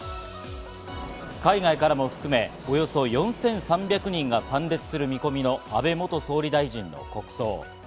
海外からも含め、およそ４３００人が参列する見込みの安倍元総理大臣の国葬。